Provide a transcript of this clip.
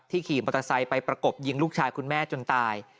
ขี่มอเตอร์ไซค์ไปประกบยิงลูกชายคุณแม่จนตาย